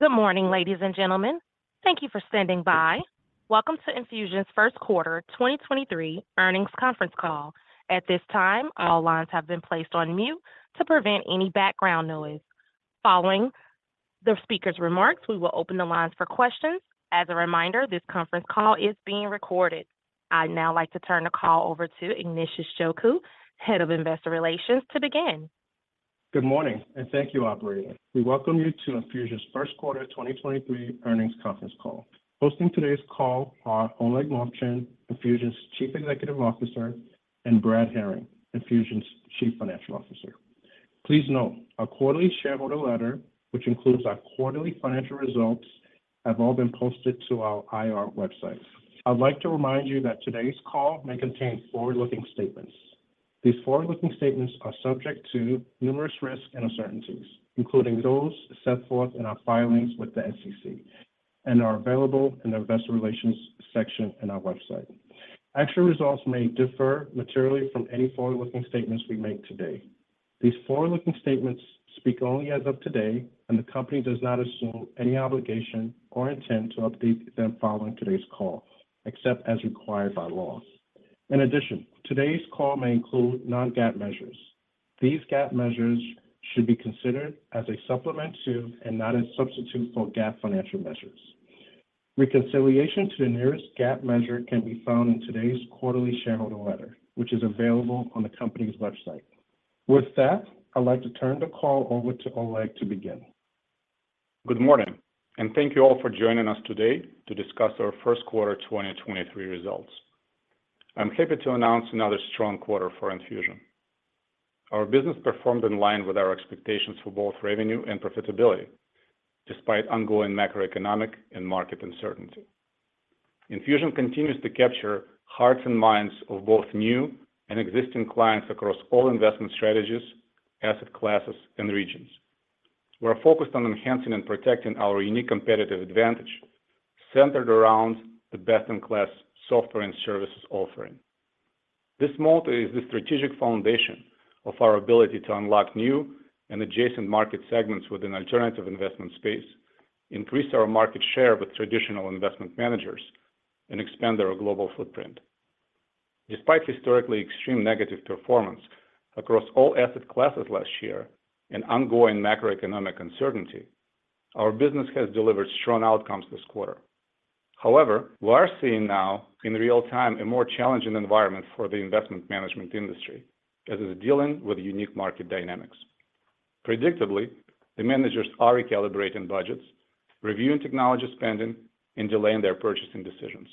Good morning, ladies and gentlemen. Thank you for standing by. Welcome to Enfusion's First Quarter 2023 Earnings Conference Call. At this time, all lines have been placed on mute to prevent any background noise. Following the speaker's remarks, we will open the lines for questions. As a reminder, this conference call is being recorded. I'd now like to turn the call over to Ignatius Njoku, Head of Investor Relations, to begin. Good morning. Thank you, operator. We welcome you to Enfusion's First Quarter 2023 Earnings Conference Call. Hosting today's call are Oleg Movchan, Enfusion's Chief Executive Officer, and Brad Herring, Enfusion's Chief Financial Officer. Please note our quarterly shareholder letter, which includes our quarterly financial results, have all been posted to our IR website. I'd like to remind you that today's call may contain forward-looking statements. These forward-looking statements are subject to numerous risks and uncertainties, including those set forth in our filings with the SEC, and are available in the investor relations section in our website. Actual results may differ materially from any forward-looking statements we make today. These forward-looking statements speak only as of today, and the company does not assume any obligation or intend to update them following today's call, except as required by law. In addition, today's call may include non-GAAP measures. These GAAP measures should be considered as a supplement to and not a substitute for GAAP financial measures. Reconciliation to the nearest GAAP measure can be found in today's quarterly shareholder letter, which is available on the company's website. With that, I'd like to turn the call over to Oleg to begin. Good morning, and thank you all for joining us today to discuss our first quarter 2023 results. I'm happy to announce another strong quarter for Enfusion. Our business performed in line with our expectations for both revenue and profitability, despite ongoing macroeconomic and market uncertainty. Enfusion continues to capture hearts and minds of both new and existing clients across all investment strategies, asset classes, and regions. We're focused on enhancing and protecting our unique competitive advantage centered around the best-in-class software and services offering. This model is the strategic foundation of our ability to unlock new and adjacent market segments within alternative investment space, increase our market share with traditional investment managers, and expand our global footprint. Despite historically extreme negative performance across all asset classes last year and ongoing macroeconomic uncertainty, our business has delivered strong outcomes this quarter. However, we are seeing now in real-time a more challenging environment for the investment management industry as it is dealing with unique market dynamics. Predictably, the managers are recalibrating budgets, reviewing technology spending, and delaying their purchasing decisions.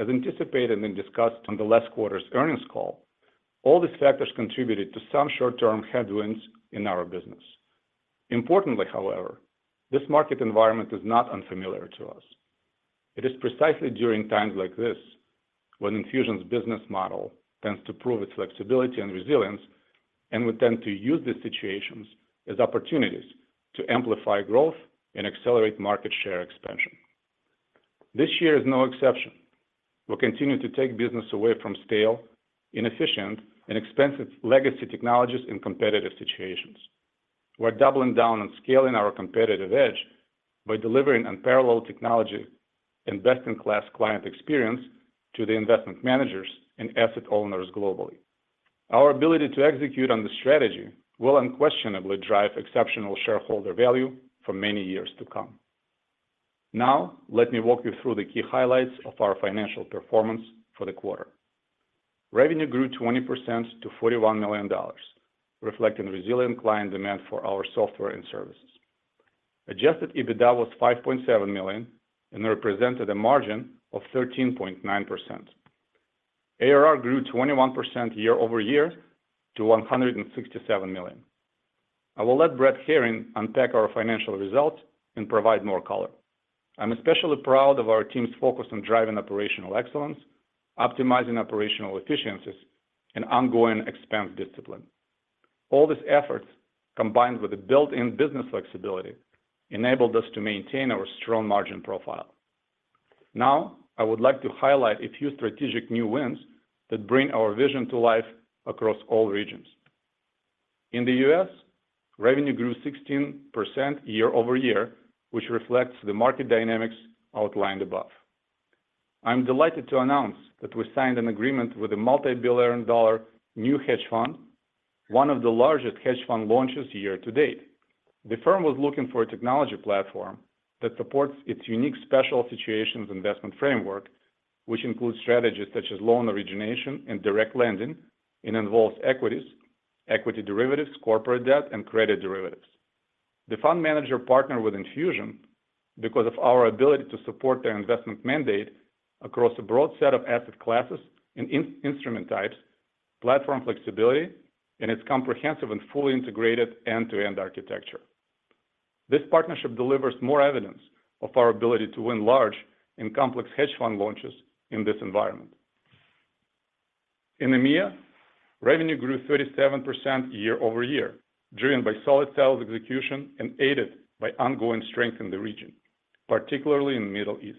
As anticipated and discussed on the last quarter's earnings call, all these factors contributed to some short-term headwinds in our business. Importantly, however, this market environment is not unfamiliar to us. It is precisely during times like this when Enfusion's business model tends to prove its flexibility and resilience, and we tend to use these situations as opportunities to amplify growth and accelerate market share expansion. This year is no exception. We'll continue to take business away from scale, inefficient, and expensive legacy technologies in competitive situations. We're doubling down on scaling our competitive edge by delivering unparalleled technology and best-in-class client experience to the investment managers and asset owners globally. Our ability to execute on the strategy will unquestionably drive exceptional shareholder value for many years to come. Now, let me walk you through the key highlights of our financial performance for the quarter. Revenue grew 20% to $41 million, reflecting resilient client demand for our software and services. Adjusted EBITDA was $5.7 million and represented a margin of 13.9%. ARR grew 21% year-over-year to $167 million. I will let Brad Herring unpack our financial results and provide more color. I'm especially proud of our team's focus on driving operational excellence, optimizing operational efficiencies, and ongoing expense discipline. All these efforts, combined with the built-in business flexibility, enabled us to maintain our strong margin profile. Now, I would like to highlight a few strategic new wins that bring our vision to life across all regions. In the U.S., revenue grew 16% year-over-year, which reflects the market dynamics outlined above. I'm delighted to announce that we signed an agreement with a multi-billion-dollar new hedge fund, one of the largest hedge fund launches year to date. The firm was looking for a technology platform that supports its unique special situations investment framework, which includes strategies such as loan origination and direct lending, and involves equities, equity derivatives, corporate debt, and credit derivatives. The fund manager partnered with Enfusion because of our ability to support their investment mandate across a broad set of asset classes and in-instrument types, platform flexibility, and its comprehensive and fully integrated end-to-end architecture. This partnership delivers more evidence of our ability to win large in complex hedge fund launches in this environment. In EMEA, revenue grew 37% year-over-year, driven by solid sales execution and aided by ongoing strength in the region, particularly in Middle East.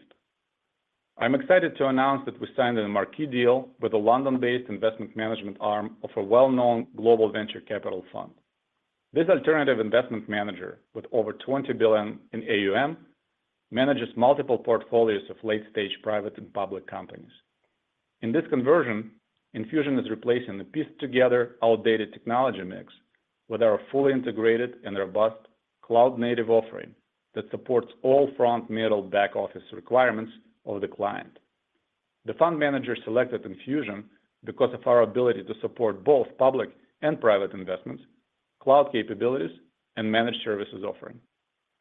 I'm excited to announce that we signed a marquee deal with a London-based investment management arm of a well-known global venture capital fund. This alternative investment manager with over $20 billion in AUM manages multiple portfolios of late-stage private and public companies. In this conversion, Enfusion is replacing the pieced-together outdated technology mix with our fully integrated and robust cloud-native offering that supports all front, middle, back-office requirements of the client. The fund manager selected Enfusion because of our ability to support both public and private investments, cloud capabilities, and managed services offering.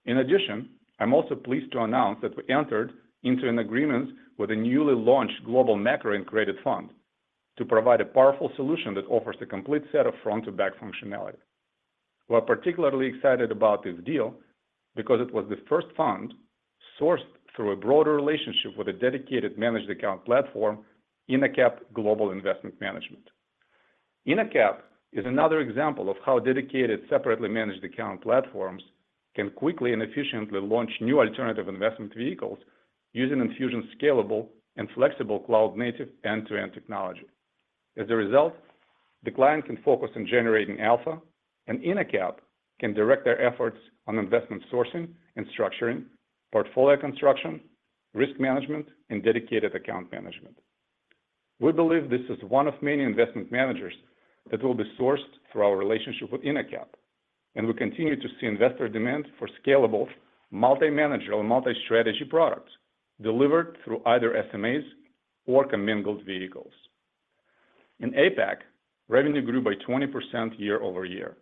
In addition, I'm also pleased to announce that we entered into an agreement with a newly launched global macro and credit fund to provide a powerful solution that offers a complete set of front to back functionality. We're particularly excited about this deal because it was the first fund sourced through a broader relationship with a dedicated managed account platform, Innocap Global Investment Management. Innocap is another example of how dedicated separately managed account platforms can quickly and efficiently launch new alternative investment vehicles using Enfusion's scalable and flexible cloud-native end-to-end technology. As a result, the client can focus on generating alpha, and Innocap can direct their efforts on investment sourcing and structuring, portfolio construction, risk management, and dedicated account management. We believe this is one of many investment managers that will be sourced through our relationship with Innocap. We continue to see investor demand for scalable multi-manager or multi-strategy products delivered through either SMAs or commingled vehicles. In APAC, revenue grew by 20% year-over-year.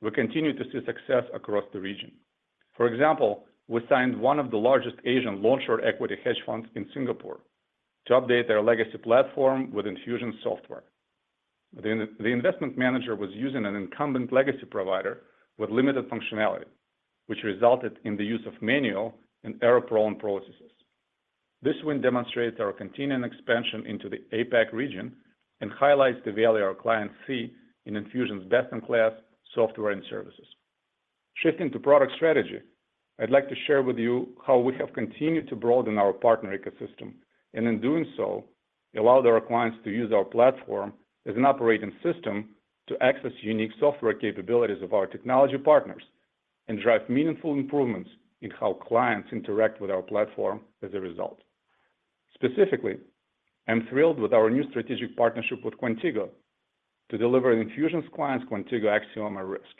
We continue to see success across the region. For example, we signed one of the largest Asian long/short equity hedge funds in Singapore to update their legacy platform with Enfusion software. The investment manager was using an incumbent legacy provider with limited functionality, which resulted in the use of manual and error-prone processes. This win demonstrates our continuing expansion into the APAC region and highlights the value our clients see in Enfusion's best-in-class software and services. Shifting to product strategy, I'd like to share with you how we have continued to broaden our partner ecosystem and in doing so, allowed our clients to use our platform as an operating system to access unique software capabilities of our technology partners and drive meaningful improvements in how clients interact with our platform as a result. Specifically, I'm thrilled with our new strategic partnership with Qontigo to deliver Enfusion's clients Qontigo Axioma Risk,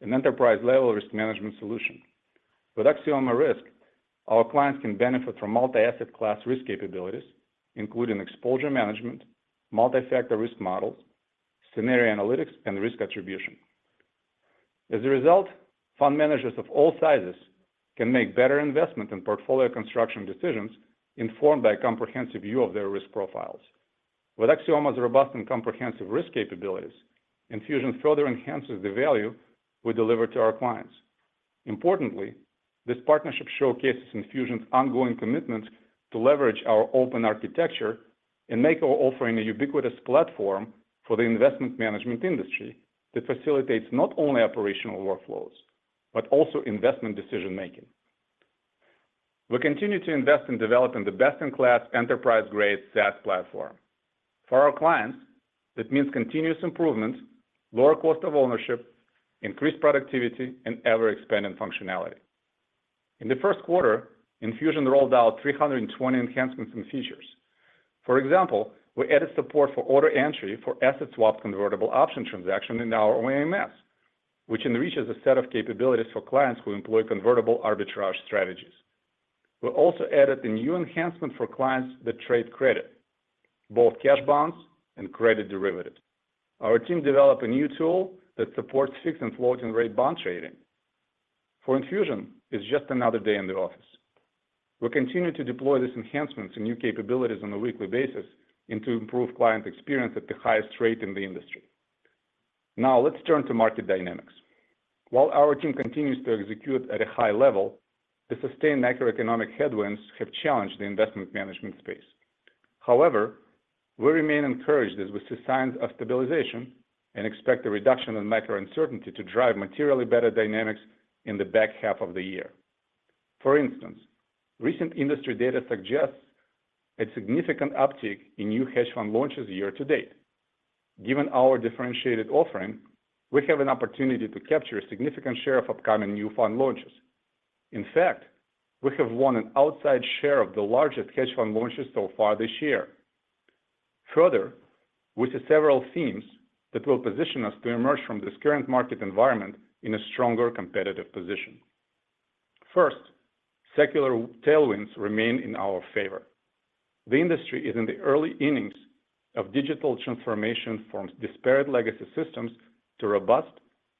an enterprise-level risk management solution. With Axioma Risk, our clients can benefit from multi-asset class risk capabilities, including exposure management, multi-factor risk models, scenario analytics, and risk attribution. As a result, fund managers of all sizes can make better investment and portfolio construction decisions informed by a comprehensive view of their risk profiles. With Axioma's robust and comprehensive risk capabilities, Enfusion further enhances the value we deliver to our clients. Importantly, this partnership showcases Enfusion's ongoing commitment to leverage our open architecture and make our offering a ubiquitous platform for the investment management industry that facilitates not only operational workflows but also investment decision-making. We continue to invest in developing the best-in-class enterprise-grade SaaS platform. For our clients, that means continuous improvements, lower cost of ownership, increased productivity, and ever-expanding functionality. In the first quarter, Enfusion rolled out 320 enhancements and features. For example, we added support for order entry for asset swap convertible option transaction in our OMS, which enriches the set of capabilities for clients who employ convertible arbitrage strategies. We also added a new enhancement for clients that trade credit, both cash bonds and credit derivatives. Our team developed a new tool that supports fixed and floating rate bond trading. For Enfusion, it's just another day in the office. We continue to deploy these enhancements and new capabilities on a weekly basis and to improve client experience at the highest rate in the industry. Let's turn to market dynamics. While our team continues to execute at a high level, the sustained macroeconomic headwinds have challenged the investment management space. We remain encouraged as we see signs of stabilization and expect a reduction in macro uncertainty to drive materially better dynamics in the back half of the year. Recent industry data suggests a significant uptick in new hedge fund launches year to date. Given our differentiated offering, we have an opportunity to capture a significant share of upcoming new fund launches. We have won an outsized share of the largest hedge fund launches so far this year. We see several themes that will position us to emerge from this current market environment in a stronger competitive position. First, secular tailwinds remain in our favor. The industry is in the early innings of digital transformation from disparate legacy systems to robust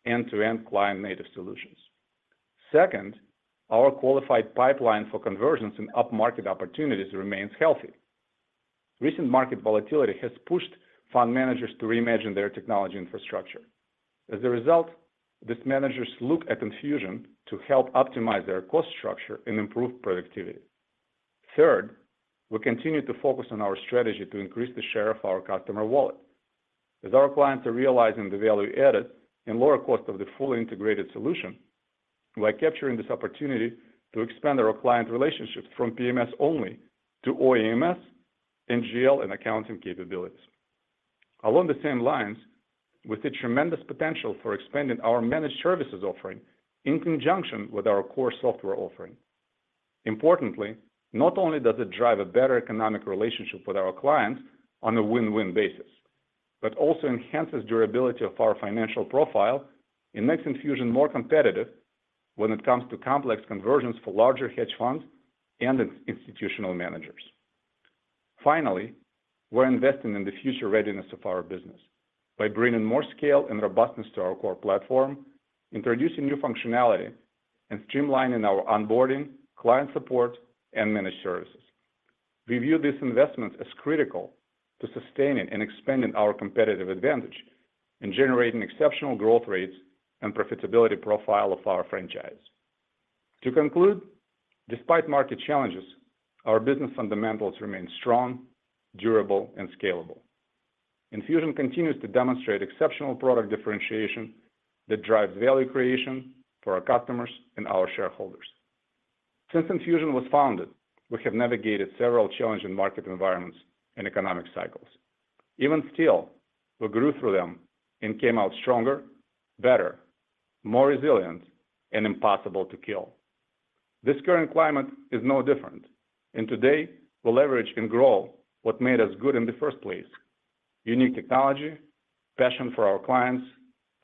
end-to-end cloud-native solutions. Second, our qualified pipeline for conversions and upmarket opportunities remains healthy. Recent market volatility has pushed fund managers to reimagine their technology infrastructure. These managers look at Enfusion to help optimize their cost structure and improve productivity. Third, we continue to focus on our strategy to increase the share of our customer wallet. As our clients are realizing the value added and lower cost of the fully integrated solution, we're capturing this opportunity to expand our client relationships from PMS only to OEMS and GL and accounting capabilities. Along the same lines, with the tremendous potential for expanding our managed services offering in conjunction with our core software offering. Importantly, not only does it drive a better economic relationship with our clients on a win-win basis, but also enhances durability of our financial profile and makes Enfusion more competitive when it comes to complex conversions for larger hedge funds and institutional managers. Finally, we're investing in the future readiness of our business by bringing more scale and robustness to our core platform, introducing new functionality, and streamlining our onboarding, client support, and managed services. We view these investments as critical to sustaining and expanding our competitive advantage in generating exceptional growth rates and profitability profile of our franchise. To conclude, despite market challenges, our business fundamentals remain strong, durable, and scalable. Enfusion continues to demonstrate exceptional product differentiation that drives value creation for our customers and our shareholders. Since Enfusion was founded, we have navigated several challenging market environments and economic cycles. Even still, we grew through them and came out stronger, better, more resilient, and impossible to kill. This current climate is no different, today we'll leverage and grow what made us good in the first place, unique technology, passion for our clients,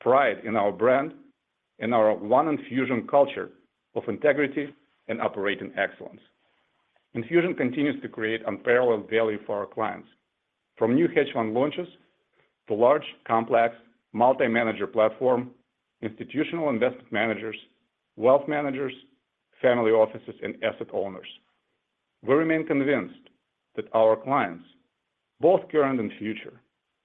pride in our brand, and our one Enfusion culture of integrity and operating excellence. Enfusion continues to create unparalleled value for our clients, from new hedge fund launches to large, complex multi-manager platform, institutional investment managers, wealth managers, family offices, and asset owners. We remain convinced that our clients, both current and future,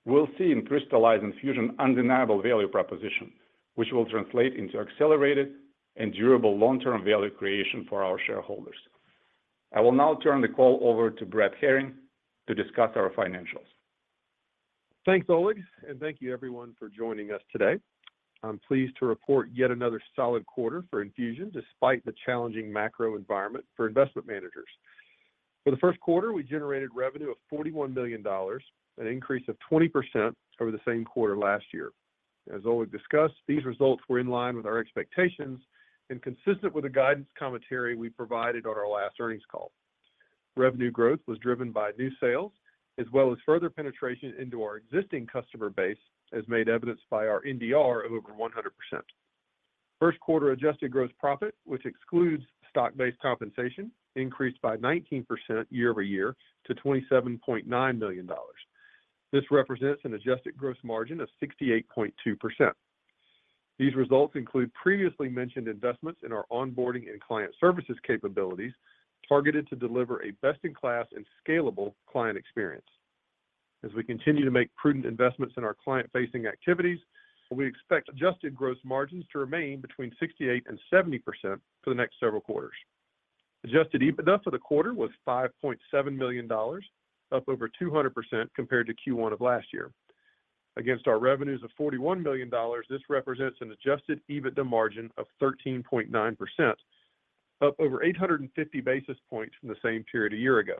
will see and crystallize Enfusion's undeniable value proposition, which will translate into accelerated and durable long-term value creation for our shareholders. I will now turn the call over to Brad Herring to discuss our financials. Thanks, Oleg. Thank you everyone for joining us today. I'm pleased to report yet another solid quarter for Enfusion despite the challenging macro environment for investment managers. For the first quarter, we generated revenue of $41 million, an increase of 20% over the same quarter last year. As Oleg discussed, these results were in line with our expectations and consistent with the guidance commentary we provided on our last earnings call. Revenue growth was driven by new sales as well as further penetration into our existing customer base, as made evidenced by our NDR of over 100%. First quarter adjusted gross profit, which excludes stock-based compensation, increased by 19% year-over-year to $27.9 million. This represents an adjusted gross margin of 68.2%. These results include previously mentioned investments in our onboarding and client services capabilities targeted to deliver a best-in-class and scalable client experience. As we continue to make prudent investments in our client-facing activities, we expect adjusted gross margins to remain between 68% and 70% for the next several quarters. Adjusted EBITDA for the quarter was $5.7 million, up over 200% compared to Q1 of last year. Against our revenues of $41 million, this represents an Adjusted EBITDA margin of 13.9%, up over 850 basis points from the same period a year ago.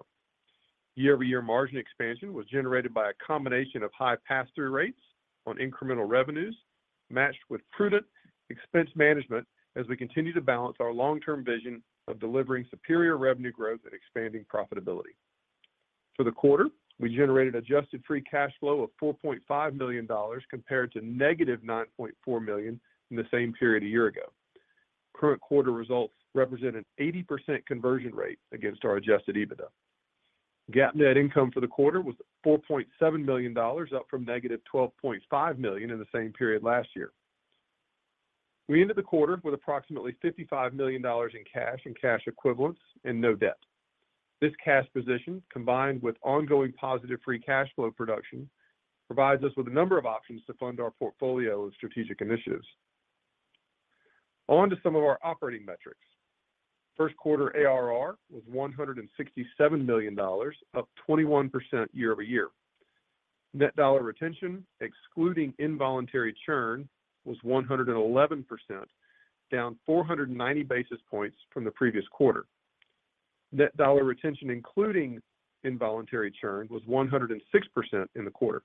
Year-over-year margin expansion was generated by a combination of high pass-through rates on incremental revenues matched with prudent expense management as we continue to balance our long-term vision of delivering superior revenue growth and expanding profitability. For the quarter, we generated adjusted free cash flow of $4.5 million compared to -$9.4 million in the same period a year ago. Current quarter results represent an 80% conversion rate against our Adjusted EBITDA. GAAP net income for the quarter was $4.7 million, up from -$12.5 million in the same period last year. We ended the quarter with approximately $55 million in cash and cash equivalents and no debt. This cash position, combined with ongoing positive free cash flow production, provides us with a number of options to fund our portfolio of strategic initiatives. On to some of our operating metrics. First quarter ARR was $167 million, up 21% year-over-year. Net dollar retention, excluding involuntary churn, was 111%, down 490 basis points from the previous quarter. Net dollar retention, including involuntary churn, was 106% in the quarter.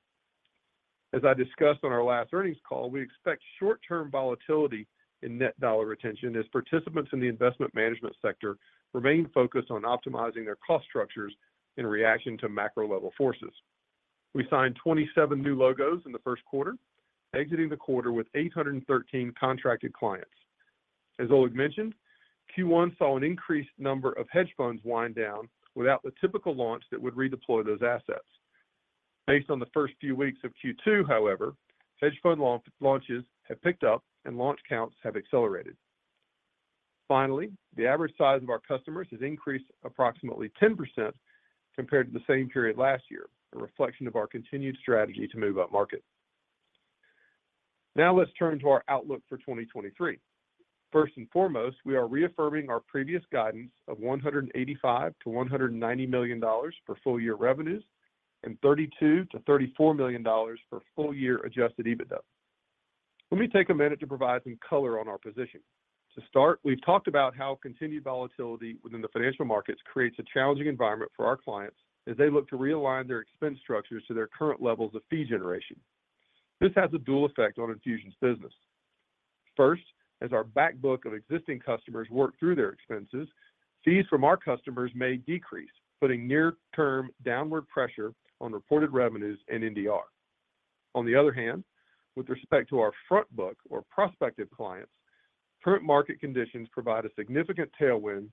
As I discussed on our last earnings call, we expect short-term volatility in net dollar retention as participants in the investment management sector remain focused on optimizing their cost structures in reaction to macro-level forces. We signed 27 new logos in the first quarter, exiting the quarter with 813 contracted clients. As Oleg mentioned, Q1 saw an increased number of hedge funds wind down without the typical launch that would redeploy those assets. Based on the first few weeks of Q2, however, hedge fund launches have picked up and launch counts have accelerated. Finally, the average size of our customers has increased approximately 10% compared to the same period last year, a reflection of our continued strategy to move upmarket. Let's turn to our outlook for 2023. First and foremost, we are reaffirming our previous guidance of $185 million-$190 million for full year revenues and $32 million-$34 million for full year Adjusted EBITDA. Let me take a minute to provide some color on our position. To start, we've talked about how continued volatility within the financial markets creates a challenging environment for our clients as they look to realign their expense structures to their current levels of fee generation. This has a dual effect on Enfusion's business. First, as our back book of existing customers work through their expenses, fees from our customers may decrease, putting near term downward pressure on reported revenues and NDR. On the other hand, with respect to our front book or prospective clients, current market conditions provide a significant tailwind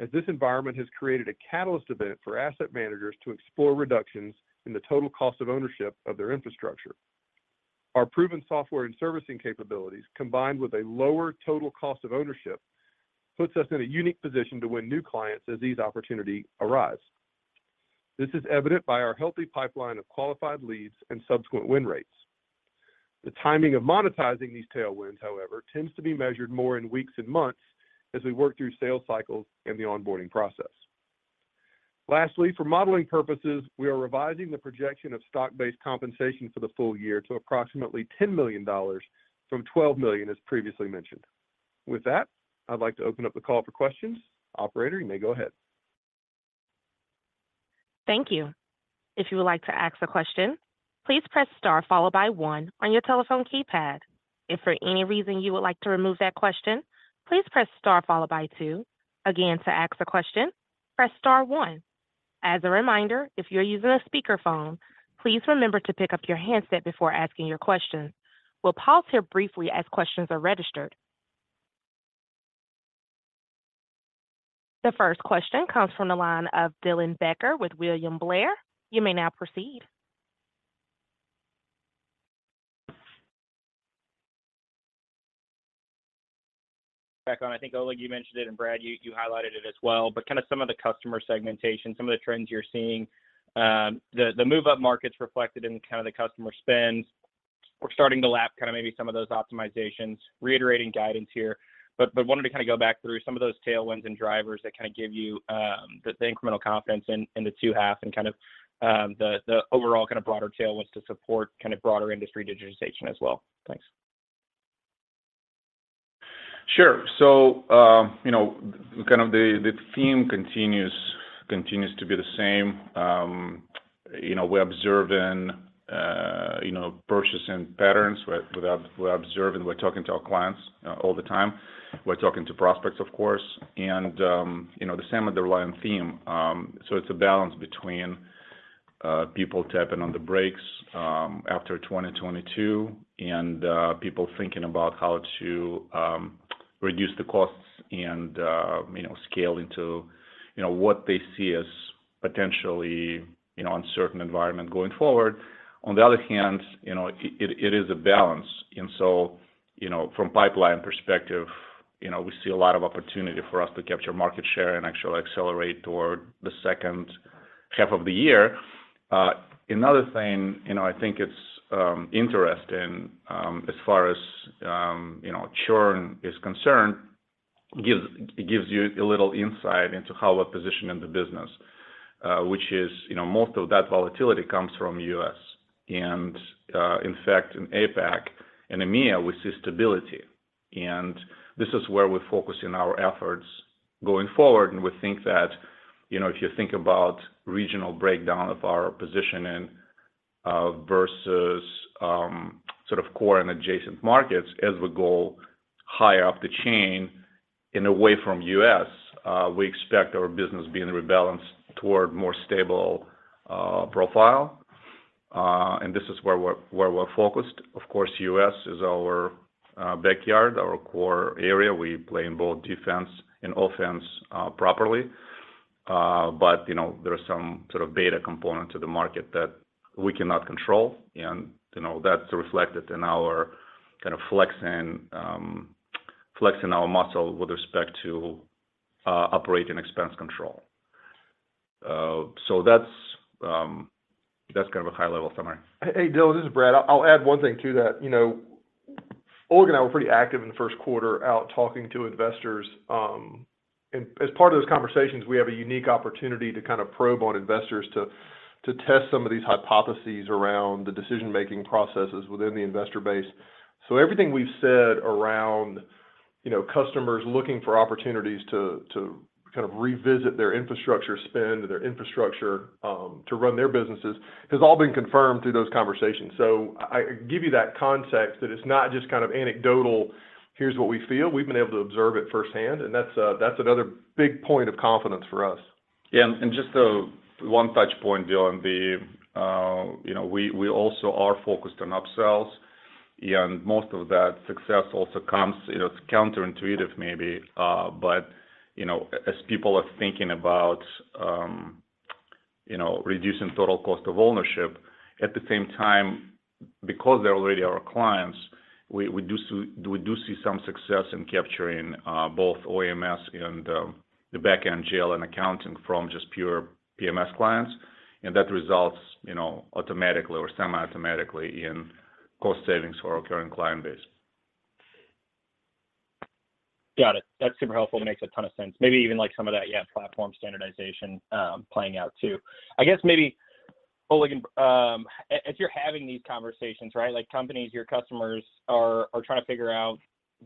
as this environment has created a catalyst event for asset managers to explore reductions in the total cost of ownership of their infrastructure. Our proven software and servicing capabilities, combined with a lower total cost of ownership, puts us in a unique position to win new clients as these opportunity arise. This is evident by our healthy pipeline of qualified leads and subsequent win rates. The timing of monetizing these tailwinds, however, tends to be measured more in weeks and months as we work through sales cycles and the onboarding process. Lastly, for modeling purposes, we are revising the projection of stock-based compensation for the full year to approximately $10 million from $12 million, as previously mentioned. With that, I'd like to open up the call for questions. Operator, you may go ahead. Thank you. If you would like to ask a question, please press star followed by one on your telephone keypad. If for any reason you would like to remove that question, please press star followed by two. Again, to ask a question, press star one. As a reminder, if you're using a speakerphone, please remember to pick up your handset before asking your question. We'll pause here briefly as questions are registered. The first question comes from the line of Dylan Becker with William Blair. You may now proceed. Back on, I think, Oleg, you mentioned it, and Brad, you highlighted it as well, but kind of some of the customer segmentation, some of the trends you're seeing, the move-up markets reflected in kind of the customer spend. We're starting to lap kind of maybe some of those optimizations, reiterating guidance here, but wanted to kind of go back through some of those tailwinds and drivers that kind of give you the incremental confidence in the two half and kind of the overall kind of broader tailwinds to support kind of broader industry digitization as well. Thanks. Sure. You know, kind of the theme continues to be the same. You know, we're observing, you know, purchasing patterns. We're observing, we're talking to our clients, all the time. We're talking to prospects, of course, and, you know, the same underlying theme. It's a balance between people tapping on the brakes after 2022 and people thinking about how to reduce the costs and, you know, scale into, you know, what they see as potentially, you know, uncertain environment going forward. On the other hand, you know, it is a balance. You know, from pipeline perspective, you know, we see a lot of opportunity for us to capture market share and actually accelerate toward the second half of the year. Another thing, you know, I think it's interesting, as far as, you know, churn is concerned, gives you a little insight into how we're positioning the business. Which is, you know, most of that volatility comes from U.S. In fact, in APAC and EMEA, we see stability. This is where we're focusing our efforts going forward. We think that, you know, if you think about regional breakdown of our positioning, versus, sort of core and adjacent markets, as we go higher up the chain and away from U.S., we expect our business being rebalanced toward more stable, profile. This is where we're, where we're focused. U.S. is our backyard, our core area. We play in both defense and offense, properly. You know, there's some sort of beta component to the market that we cannot control. You know, that's reflected in our kind of flexing our muscle with respect to operating expense control. That's kind of a high-level summary. Hey, Dylan, this is Brad. I'll add one thing to that. You know, Oleg and I were pretty active in the first quarter out talking to investors. As part of those conversations, we have a unique opportunity to kind of probe on investors to test some of these hypotheses around the decision-making processes within the investor base. Everything we've said around, you know, customers looking for opportunities to kind of revisit their infrastructure spend and their infrastructure to run their businesses has all been confirmed through those conversations. I give you that context that it's not just kind of anecdotal, here's what we feel. We've been able to observe it firsthand, and that's another big point of confidence for us. Yeah. Just 1 touch point, Dylan. The, you know, we also are focused on upsells, and most of that success also comes, you know, it's counterintuitive maybe, but you know, as people are thinking about, you know, reducing total cost of ownership, at the same time, because they're already our clients, we do see some success in capturing both OMS and the back-end GL and accounting from just pure PMS clients. That results, you know, automatically or semi-automatically in cost savings for our current client base. Got it. That's super helpful and makes a ton of sense. Maybe even like some of that, yeah, platform standardization, playing out too. I guess maybe, Oleg, if you're having these conversations, right, like companies, your customers are trying to figure out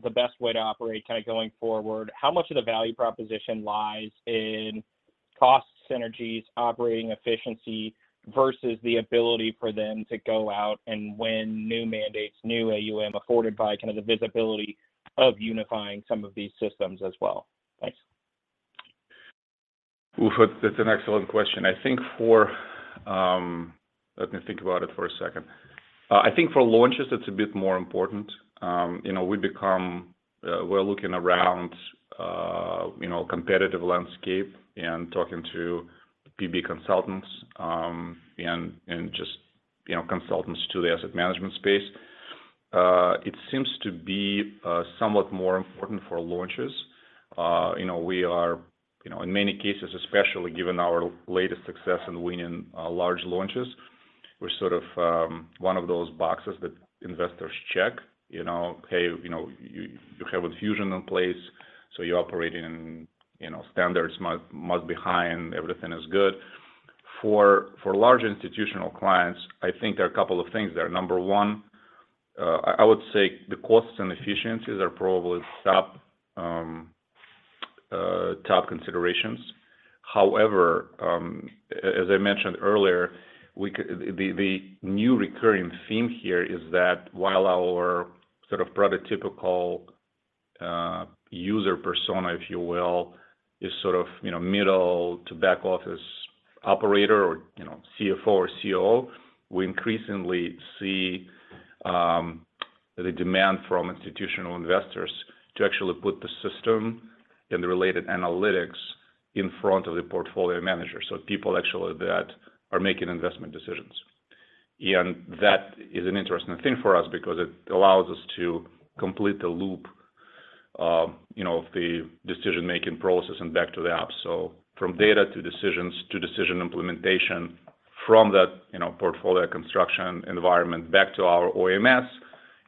the best way to operate kinda going forward, how much of the value proposition lies in cost synergies, operating efficiency, versus the ability for them to go out and win new mandates, new AUM afforded by kind of the visibility of unifying some of these systems as well? Thanks. That's an excellent question. I think for. Let me think about it for a second. I think for launches, it's a bit more important. You know, we become, we're looking around, you know, competitive landscape and talking to PB consultants, and just, you know, consultants to the asset management space. It seems to be somewhat more important for launches. You know, we are, you know, in many cases, especially given our latest success in winning, large launches, we're sort of one of those boxes that investors check. You know, hey, you know, you have Enfusion in place, so you're operating in, you know, standards must be high and everything is good. For large institutional clients, I think there are a couple of things there. Number one, I would say the costs and efficiencies are probably top considerations. However, as I mentioned earlier, the new recurring theme here is that while our sort of prototypical user persona, if you will, is sort of, you know, middle to back office operator or, you know, CFO or COO, we increasingly see the demand from institutional investors to actually put the system and the related analytics in front of the portfolio manager, so people actually that are making investment decisions. That is an interesting thing for us because it allows us to complete the loop, you know, of the decision-making process and back to the app. From data to decisions to decision implementation from that, you know, portfolio construction environment back to our OMS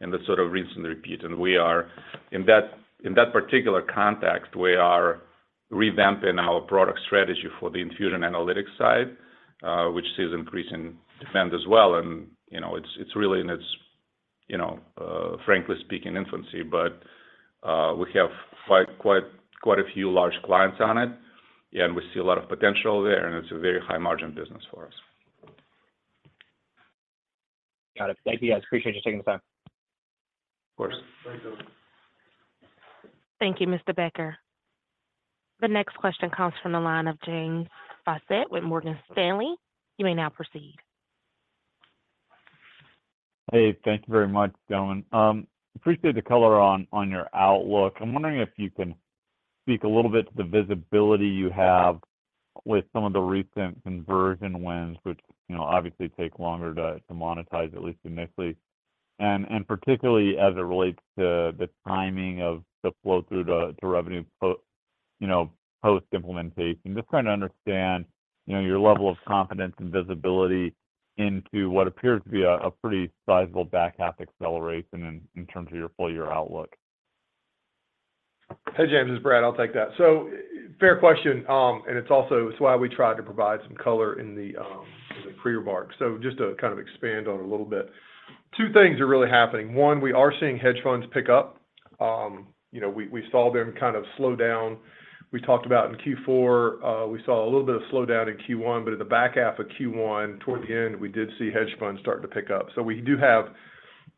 in the sort of recent repeat. We are in that, in that particular context, we are revamping our product strategy for the Enfusion Analytics side, which sees increasing demand as well. You know, it's really in its, you know, frankly speaking infancy, but we have quite a few large clients on it, and we see a lot of potential there, and it's a very high margin business for us. Got it. Thank you, guys. Appreciate you taking the time. Of course. Thank you. Thank you, Mr. Becker. The next question comes from the line of James Faucette with Morgan Stanley. You may now proceed. Hey, thank you very much, gentlemen. Appreciate the color on your outlook. I'm wondering if you can speak a little bit to the visibility you have with some of the recent conversion wins, which, you know, obviously take longer to monetize, at least initially, and particularly as it relates to the timing of the flow through to revenue, you know, post-implementation. Just trying to understand, you know, your level of confidence and visibility into what appears to be a pretty sizable back half acceleration in terms of your full year outlook? Hey, James. This is Brad. I'll take that. Fair question. And it's also, it's why we try to provide some color in the pre-remark. Just to kind of expand on it a little bit, two things are really happening. One, we are seeing hedge funds pick up. You know, we saw them kind of slow down. We talked about in Q4, we saw a little bit of slowdown in Q1, but at the back half of Q1, toward the end, we did see hedge funds starting to pick up. We do have,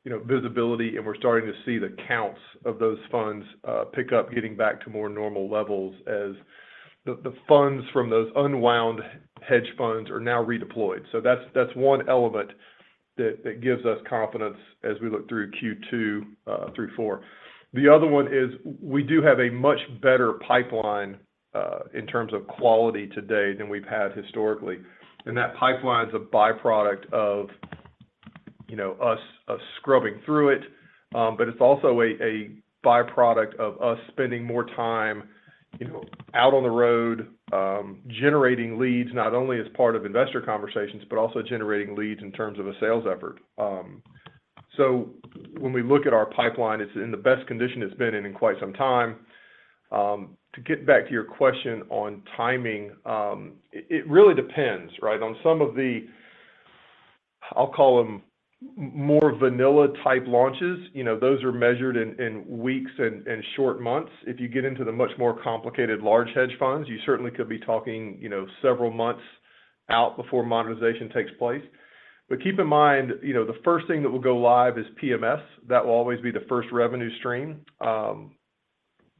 you know, visibility, and we're starting to see the counts of those funds, pick up, getting back to more normal levels as the funds from those unwound hedge funds are now redeployed. That's one element that gives us confidence as we look through Q2, through four. The other one is we do have a much better pipeline in terms of quality today than we've had historically. That pipeline is a by-product of, you know, us scrubbing through it. It's also a by-product of us spending more time, you know, out on the road, generating leads, not only as part of investor conversations, but also generating leads in terms of a sales effort. When we look at our pipeline, it's in the best condition it's been in quite some time. To get back to your question on timing, it really depends, right? On some of the, I'll call them more vanilla type launches, you know, those are measured in weeks and short months. If you get into the much more complicated large hedge funds, you certainly could be talking, you know, several months out before monetization takes place. Keep in mind, you know, the first thing that will go live is PMS. That will always be the first revenue stream.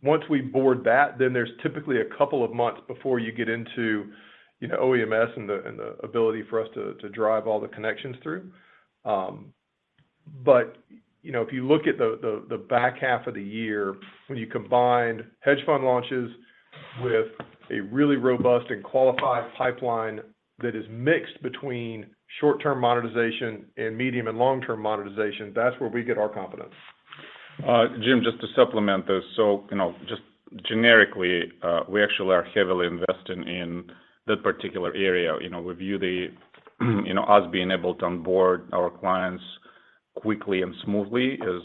Once we board that, then there's typically a couple of months before you get into, you know, OEMS and the ability for us to drive all the connections through. You know, if you look at the back half of the year, when you combine hedge fund launches with a really robust and qualified pipeline that is mixed between short-term monetization and medium and long-term monetization, that's where we get our confidence. Jim, just to supplement those. You know, just generically, we actually are heavily invested in that particular area. You know, we view the, you know, us being able to onboard our clients quickly and smoothly is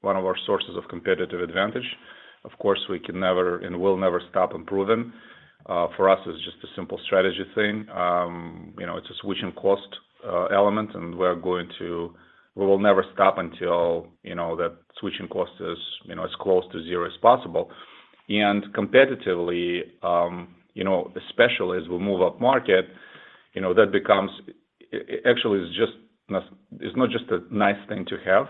one of our sources of competitive advantage. Of course, we can never and will never stop improving. For us, it's just a simple strategy thing. You know, it's a switching cost, element, and we will never stop until, you know, the switching cost is, you know, as close to zero as possible. Competitively, you know, especially as we move up market, you know, that actually it's not just a nice thing to have,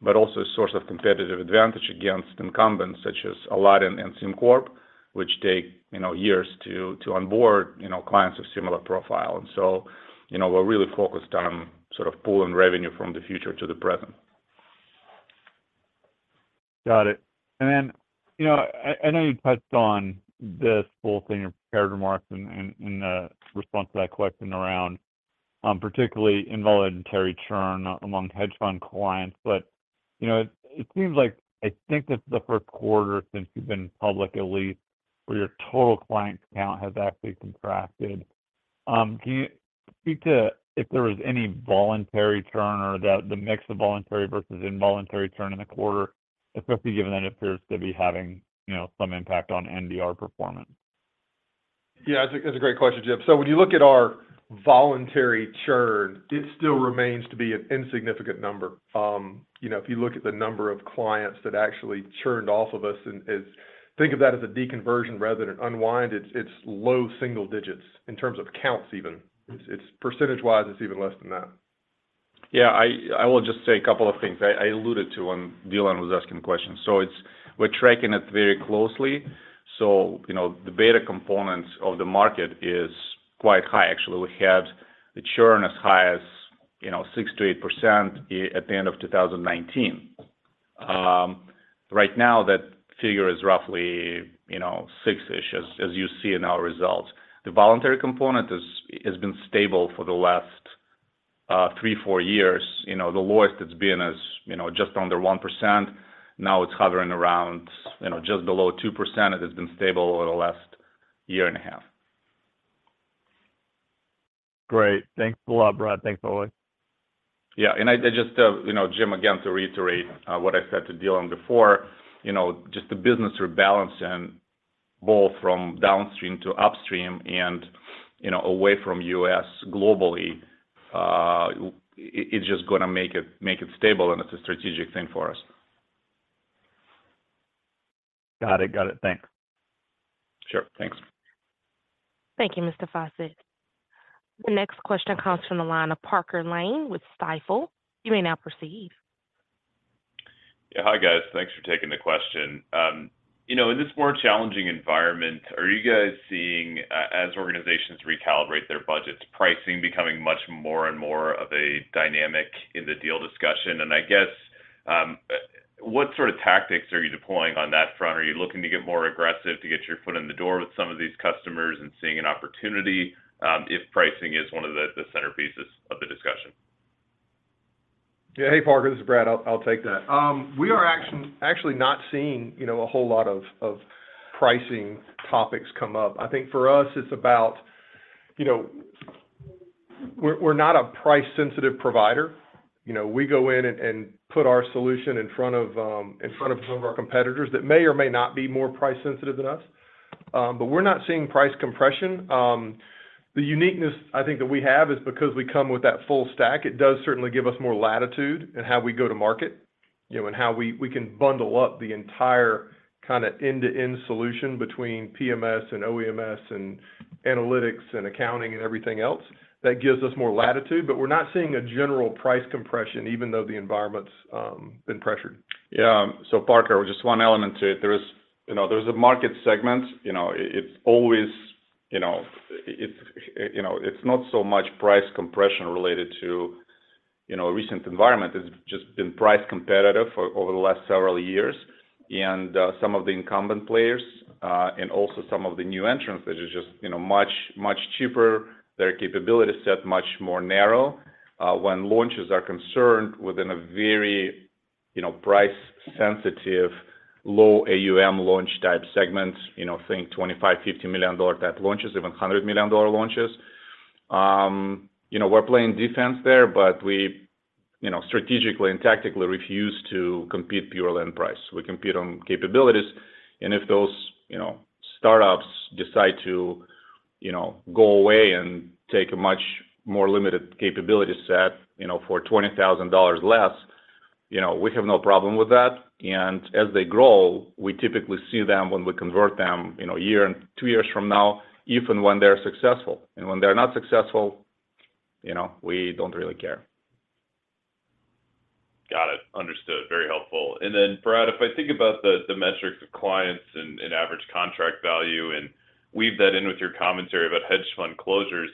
but also a source of competitive advantage against incumbents such as Aladdin and SimCorp, which take, you know, years to onboard clients of similar profile. You know, we're really focused on sort of pulling revenue from the future to the present. Got it. You know, I know you touched on this whole thing in your prepared remarks and in the response to that question around, particularly involuntary churn among hedge fund clients. But, you know, it seems like I think that's the first quarter since you've been public at least where your total client count has actually contracted. Can you speak to if there was any voluntary churn or the mix of voluntary versus involuntary churn in the quarter, especially given that it appears to be having, you know, some impact on NDR performance? Yeah, it's a great question, Jim. When you look at our voluntary churn, it still remains to be an insignificant number. You know, if you look at the number of clients that actually churned off of us and think of that as a deconversion rather than an unwind, it's low single digits in terms of counts even. It's percentage-wise, it's even less than that. Yeah, I will just say a couple of things. I alluded to when Dylan was asking the question. We're tracking it very closely. You know, the beta component of the market is quite high actually. We had the churn as high as, you know, 6%-8% at the end of 2019. Right now, that figure is roughly, you know, six-ish as you see in our results. The voluntary component has been stable for the last three, four years. You know, the lowest it's been is, you know, just under 1%. Now it's hovering around, you know, just below 2%, and it's been stable over the last year and a half. Great. Thanks a lot, Brad. Thanks, Oleg. Yeah. I just, you know, Jim, again, to reiterate, what I said to Dylan before, you know, just the business rebalancing both from downstream to upstream and, you know, away from U.S. globally, it's just gonna make it stable, and it's a strategic thing for us. Got it. Got it. Thanks. Sure. Thanks. Thank you, Mr. Faucette. The next question comes from the line of Parker Lane with Stifel. You may now proceed. Yeah. Hi, guys. Thanks for taking the question. You know, in this more challenging environment, are you guys seeing as organizations recalibrate their budgets, pricing becoming much more and more of a dynamic in the deal discussion? I guess what sort of tactics are you deploying on that front? Are you looking to get more aggressive to get your foot in the door with some of these customers and seeing an opportunity, if pricing is one of the centerpieces of the discussion? Yeah. Hey, Parker. This is Brad. I'll take that. We are actually not seeing, you know, a whole lot of pricing topics come up. I think for us it's about. You know, we're not a price-sensitive provider. You know, we go in and put our solution in front of, in front of some of our competitors that may or may not be more price sensitive than us. We're not seeing price compression. The uniqueness I think that we have is because we come with that full stack, it does certainly give us more latitude in how we go to market, you know, and how we can bundle up the entire kind of end-to-end solution between PMS and OEMS and analytics and accounting and everything else. That gives us more latitude, but we're not seeing a general price compression, even though the environment's been pressured. Yeah. Parker, just one element to it. There is, you know, there's a market segment, you know, it's always, you know... It's, you know, it's not so much price compression related to, you know, recent environment. It's just been price competitive over the last several years. Some of the incumbent players, and also some of the new entrants that are just, you know, much, much cheaper, their capability set much more narrow, when launches are concerned within a very, you know, price sensitive, low AUM launch type segment. You know, think $25 million, $50 million type launches, even $100 million launches. You know, we're playing defense there, but we, you know, strategically and tactically refuse to compete pure on price. We compete on capabilities, and if those, you know, startups decide to, you know, go away and take a much more limited capability set, you know, for $20,000 less, you know, we have no problem with that. As they grow, we typically see them when we convert them, you know, a year and 2 years from now, even when they're successful. When they're not successful, you know, we don't really care. Got it. Understood. Very helpful. Then Brad, if I think about the metrics of clients and average contract value, and weave that in with your commentary about hedge fund closures,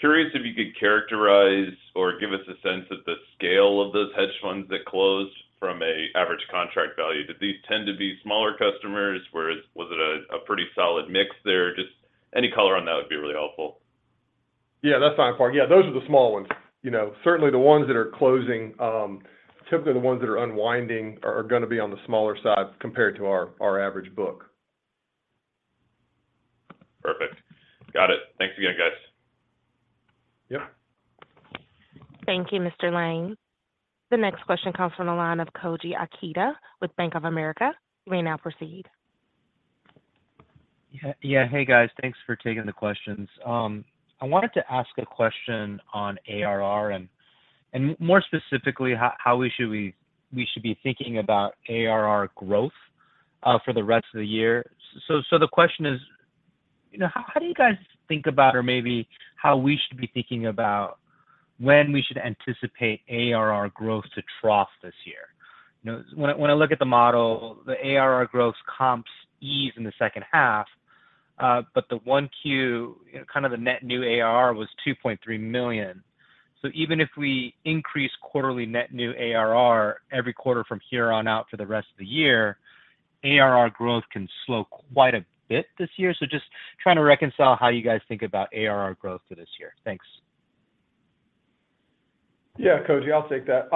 curious if you could characterize or give us a sense of the scale of those hedge funds that closed from a average contract value. Did these tend to be smaller customers, whereas was it a pretty solid mix there? Just any color on that would be really helpful. That's fine, Parker. Yeah, those are the small ones. You know, certainly the ones that are closing, typically the ones that are unwinding are gonna be on the smaller side compared to our average book. Got it. Thanks again, guys. Yeah. Thank you, Mr. Lane. The next question comes from the line of Koji Ikeda with Bank of America. You may now proceed. Yeah. Hey, guys. Thanks for taking the questions. I wanted to ask a question on ARR and, more specifically, how we should be thinking about ARR growth for the rest of the year. The question is, you know, how do you guys think about or maybe how we should be thinking about when we should anticipate ARR growth to trough this year? You know, when I look at the model, the ARR growth comps ease in the second half. The 1Q, you know, kind of the net new ARR was $2.3 million. Even if we increase quarterly net new ARR every quarter from here on out for the rest of the year, ARR growth can slow quite a bit this year. Just trying to reconcile how you guys think about ARR growth for this year? Thanks. Yeah. Koji, I'll take that.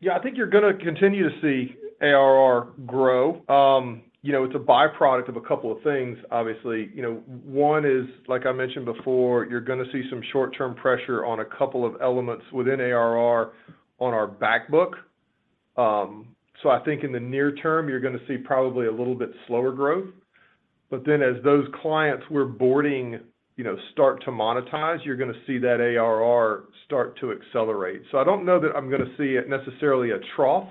Yeah, I think you're gonna continue to see ARR grow. You know, it's a by-product of a couple of things, obviously. You know, one is, like I mentioned before, you're gonna see some short-term pressure on a couple of elements within ARR on our back book. I think in the near term, you're gonna see probably a little bit slower growth. As those clients we're boarding, you know, start to monetize, you're gonna see that ARR start to accelerate. I don't know that I'm gonna see it necessarily a trough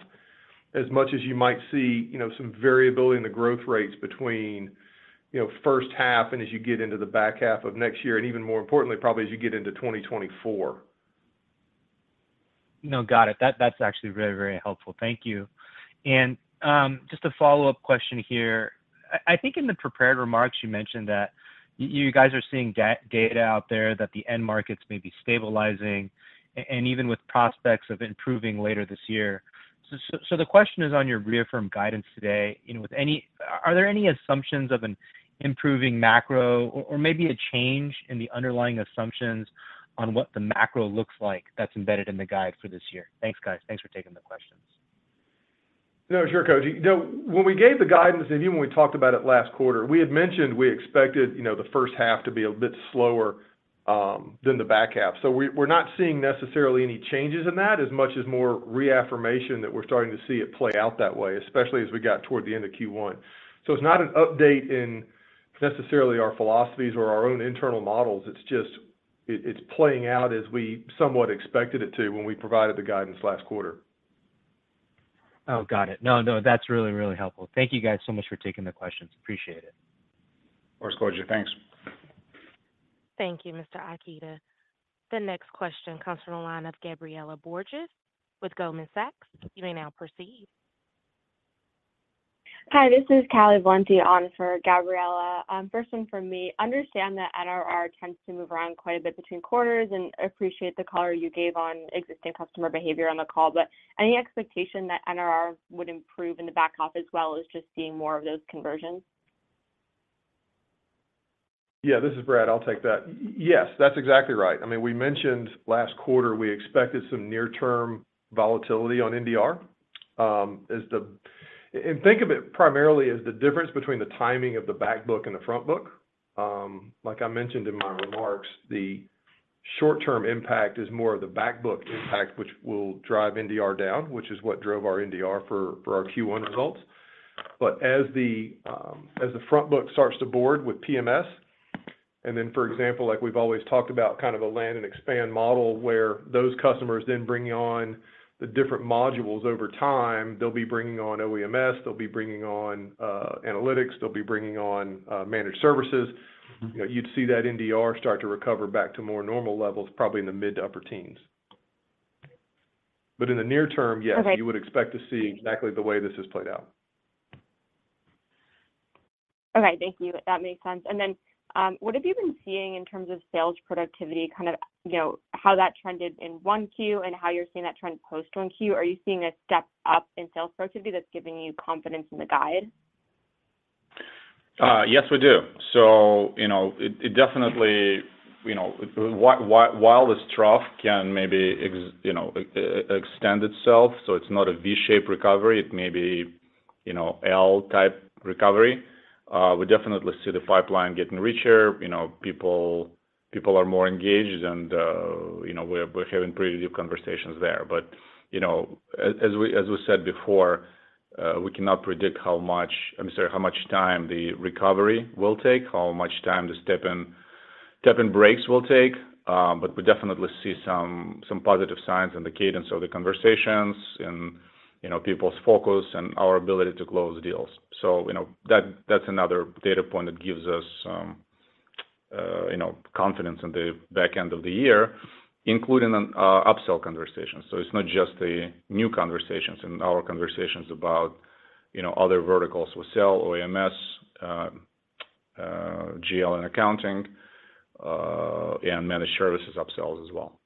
as much as you might see, you know, some variability in the growth rates between, you know, first half and as you get into the back half of next year. Even more importantly, probably as you get into 2024. No, got it. That's actually very, very helpful. Thank you. Just a follow-up question here. I think in the prepared remarks you mentioned that you guys are seeing data out there that the end markets may be stabilizing and even with prospects of improving later this year. The question is on your reaffirm guidance today, you know, Are there any assumptions of an improving macro or maybe a change in the underlying assumptions on what the macro looks like that's embedded in the guide for this year? Thanks, guys. Thanks for taking the questions. No, sure, Koji. You know, when we gave the guidance, even when we talked about it last quarter, we had mentioned we expected, you know, the first half to be a bit slower than the back half. We're not seeing necessarily any changes in that as much as more reaffirmation that we're starting to see it play out that way, especially as we got toward the end of Q1. It's not an update in necessarily our philosophies or our own internal models, it's just, it's playing out as we somewhat expected it to when we provided the guidance last quarter. Got it. No, no, that's really, really helpful. Thank you guys so much for taking the questions. Appreciate it. Of course, Koji. Thanks. Thank you, Mr. Ikeda. The next question comes from the line of Gabriela Borges with Goldman Sachs. You may now proceed. Hi, this is Callie Valenti on for Gabriela. First one from me. Understand that NRR tends to move around quite a bit between quarters, and appreciate the color you gave on existing customer behavior on the call. Any expectation that NRR would improve in the back half as well is just seeing more of those conversions? Yeah, this is Brad. I'll take that. Yes, that's exactly right. I mean, we mentioned last quarter we expected some near-term volatility on NDR as the. And think of it primarily as the difference between the timing of the back book and the front book. Like I mentioned in my remarks, the short-term impact is more of the back book impact, which will drive NDR down, which is what drove our NDR for our Q1 results. As the front book starts to board with PMS, and then for example, like we've always talked about kind of a land and expand model where those customers then bring on the different modules over time, they'll be bringing on OEMS, they'll be bringing on analytics, they'll be bringing on managed services. You know, you'd see that NDR start to recover back to more normal levels, probably in the mid to upper teens. In the near term, yes. Okay. You would expect to see exactly the way this has played out. Okay. Thank you. That makes sense. What have you been seeing in terms of sales productivity, kind of, you know, how that trended in 1Q and how you're seeing that trend post 1Q? Are you seeing a step up in sales productivity that's giving you confidence in the guide? Yes, we do. You know, while this trough can maybe extend itself, so it's not a V-shaped recovery, it may be, you know, L type recovery, we definitely see the pipeline getting richer. You know, people are more engaged and, you know, we're having pretty deep conversations there. You know, as we said before, we cannot predict how much. I'm sorry, how much time the recovery will take, how much time the step in breaks will take. We definitely see some positive signs in the cadence of the conversations and, you know, people's focus and our ability to close deals. You know, that's another data point that gives us, you know, confidence in the back end of the year, including on upsell conversations. It's not just the new conversations and our conversations about, you know, other verticals with sell, OEMs, GL and accounting, and managed services upsells as well.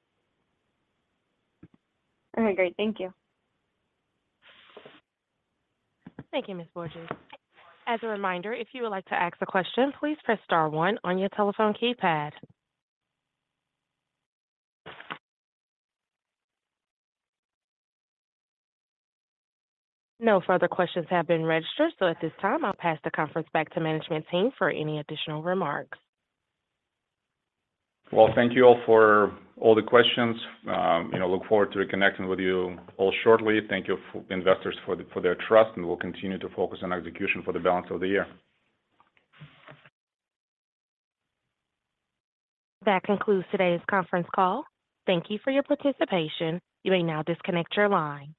All right. Great. Thank you. Thank you, Ms. Callie. As a reminder, if you would like to ask a question, please press star on your telephone keypad. No further questions have been registered. At this time, I'll pass the conference back to management team for any additional remarks. Thank you all for all the questions. You know, look forward to reconnecting with you all shortly. Thank you investors for their trust, and we'll continue to focus on execution for the balance of the year. That concludes today's conference call. Thank you for your participation. You may now disconnect your line.